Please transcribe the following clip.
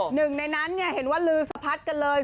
หนึ่งในนั้นเห็นว่าลือสะพัดกันเลย